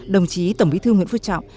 đồng chí tổng bí thư nguyễn phước trọng